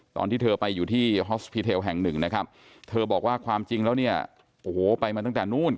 ตอนที่เธอไปอยู่ที่ฮอสพีเทลแห่งหนึ่งนะครับเธอบอกว่าความจริงแล้วเนี่ยโอ้โหไปมาตั้งแต่นู้น